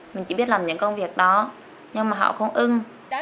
mình chỉ biết làm những công việc đó nhưng mà họ không ưng